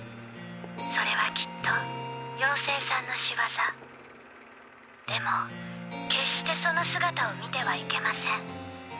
それはきっとようせいさんの仕業でも決してその姿を見てはいけません